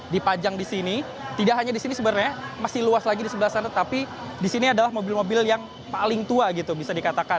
dipajang di sini tidak hanya di sini sebenarnya masih luas lagi di sebelah sana tapi di sini adalah mobil mobil yang paling tua gitu bisa dikatakan